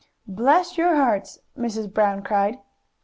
"Bless your hearts!" Mrs. Brown cried.